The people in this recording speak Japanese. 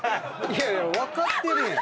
いやいや分かってるやん！